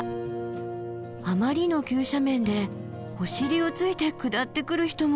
あまりの急斜面でお尻をついて下ってくる人もいる！